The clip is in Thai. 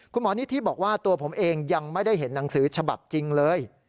คุณหมอนิธิบอกว่าตัวผมเองยังไม่ได้เห็นหนังสือฉบับจริงเลย